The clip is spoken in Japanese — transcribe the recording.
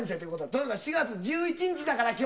というか４月１１日だから今日は」